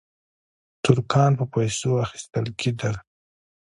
ترکان په پیسو اخیستل کېدل.